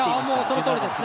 そのとおりです。